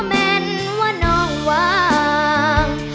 แม่นว่าน้องวาง